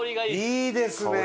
いいですね。